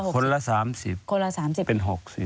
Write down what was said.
ขนละ๓๐เป็น๖๐